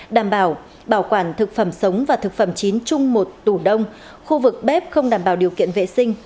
đảm bảo bảo quản thực phẩm sống và thực phẩm chín chung một tủ đông khu vực bếp không đảm bảo điều kiện vệ sinh